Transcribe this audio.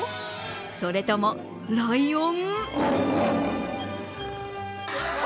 それとも、ライオン？